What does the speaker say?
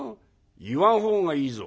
「言わん方がいいぞ」。